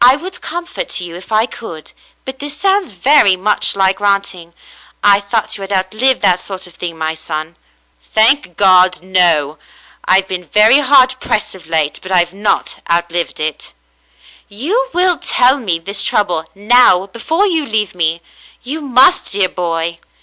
^'" "I would comfort you if I could, but this sounds very much like ranting. I thought you had outlived that sort of thing, my son." "Thank God, no. I've been very hard pressed of late, but I've not outlived it." *'You will tell me this trouble — now — before you leave me "^ You must, dear boy."